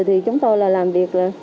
thì chúng tôi là làm việc